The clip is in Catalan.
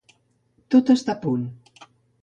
Tot està a punt.